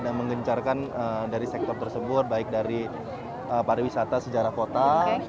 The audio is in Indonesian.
dari sektor tersebut baik dari pariwisata sejarah kota